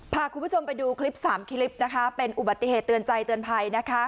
พาคุณผู้ชมไปดูคลิปสามคลิปนะคะเป็นอุบัติเหตุเตือนใจเตือนภัยนะคะ